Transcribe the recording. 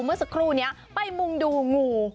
เมื่อสักครู่นี้ไปมุ่งดูงู